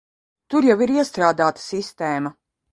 Tur jau ir iestrādāta sistēma.